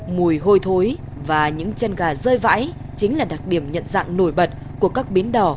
mùi hôi thối và những chân gà rơi vãi chính là đặc điểm nhận dạng nổi bật của các bến đỏ